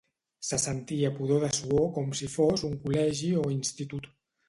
Se sentia pudor de suor com si fos un col·legi o institut